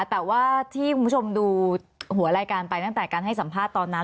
แต่ว่าที่คุณผู้ชมดูหัวรายการไปตั้งแต่การให้สัมภาษณ์ตอนนั้น